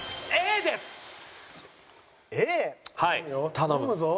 頼むぞ。